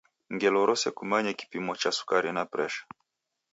Ngelo rose kumanye kipimo cha sukari na presha.